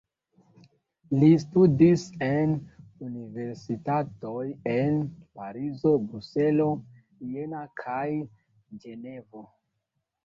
Li studis en universitatoj en Parizo, Bruselo, Jena kaj Ĝenevo.